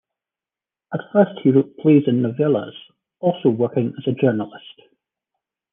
At first he wrote plays and novellas, also working as a journalist.